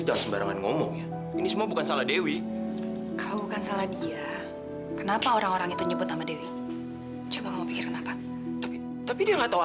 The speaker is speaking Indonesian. yakin sekarang bibi mau samperin dia kurang hajar dewi dewi tolong tolong dengarkan saya dulu saya